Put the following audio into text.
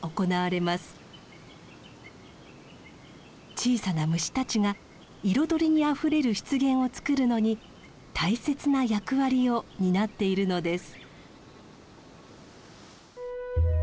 小さな虫たちが彩りにあふれる湿原をつくるのに大切な役割を担っているのです。